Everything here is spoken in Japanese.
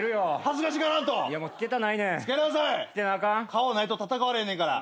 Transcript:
顔ないと戦われへんねんから。